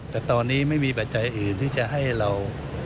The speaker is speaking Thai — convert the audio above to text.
แต่ตอนนี้ไม่มีปัจจัยอื่นที่จะให้เรา